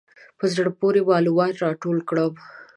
په زړه پورې معلومات راټول کړم.